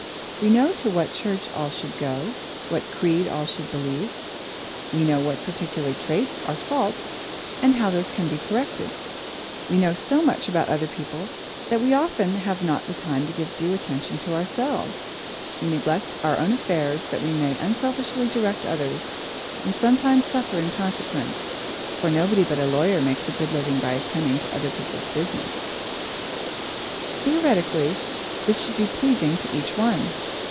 We know to what church all should go; what creed all should believe. We know what particular traits are faults and how these can be corrected. We know so much about other people that we often have not time to give due attention to ourselves. We neglect our own affairs that we may unselfishly direct others, and sometimes suffer in consequence, for nobody but a lawyer makes a good living by attending to other people's business. [Sidenote: Theoretically] Theoretically, this should be pleasing to each one.